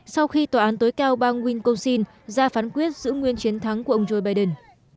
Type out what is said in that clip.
sau khi tòa án tối cao bang wisconsin ra phán quyết giữ nguyên chiến thắng của ông joe biden